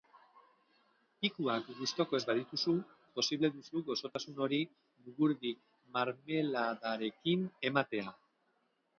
Pikuak gustuko ez badituzu, posible duzu gozotasun hori mugurdi marmeladarekin ematea.